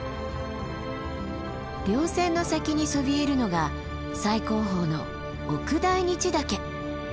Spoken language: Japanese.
稜線の先にそびえるのが最高峰の奥大日岳。